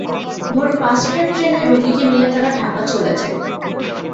ভোয় পাঁচটার ট্রেনে রুগীকে নিয়ে তারা ঢাকা চলে যায়।